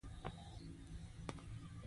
د ګنډ افغاني جامې ګرانې دي؟